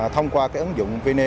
thông qua ứng dụng vneid